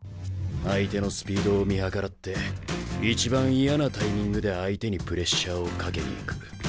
相手のスピードを見計らって一番嫌なタイミングで相手にプレッシャーをかけに行く。